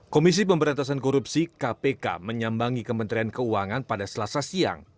komisi pemberantasan korupsi kpk menyambangi kementerian keuangan pada selasa siang